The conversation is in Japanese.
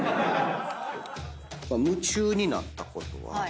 夢中になったことが。